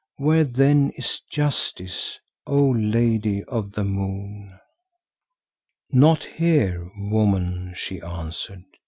Where then is Justice, O Lady of the Moon?' "'Not here, Woman,' she answered.